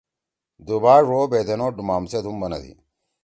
دُوبا ڙو بھیدین او ڈُومام سیت ہُم بنَدی۔